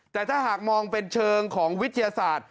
แต่ถ้าหากมองเป็นเชิงของวิทยาศาสตร์